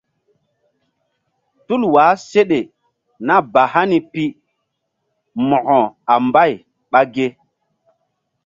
Tul wah seɗe nah ba hani pi mo̧ko a mbay ɓa ge?